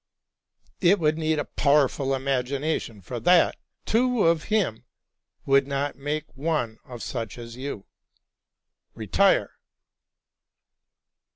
' It would need a powerful imagination for that! Two of him would not make one such as you. Retire!